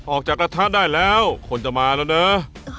ออกจากกระทะได้แล้วคนจะมาแล้วน่ะ